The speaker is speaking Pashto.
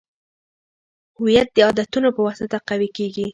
هویت د عادتونو په واسطه قوي کیږي.